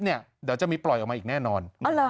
เดี๋ยวจะมีปล่อยออกมาอีกแน่นอน